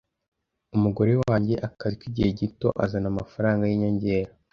Umugore wanjye akazi k'igihe gito azana amafaranga yinyongera.